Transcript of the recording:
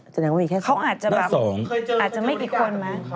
เขาอาจจะแบบอาจจะไม่กี่คนไหม